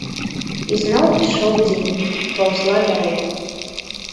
І зноў ішоў дзень, і паўзла дарога.